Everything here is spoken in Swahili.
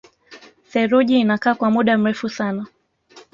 Theluji inakaa kwa muda mrefu sana